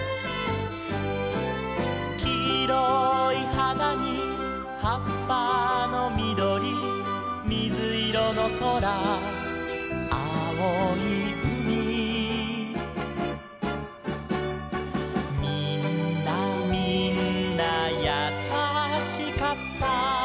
「きいろいはなにはっぱのみどり」「みずいろのそらあおいうみ」「みんなみんなやさしかった」